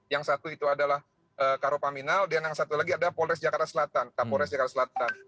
yang satu itu adalah karo paminal dan yang satu lagi adalah polres jakarta selatan kapolres jakarta selatan